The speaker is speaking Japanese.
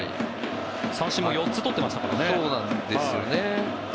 三振も４つ取ってましたからね。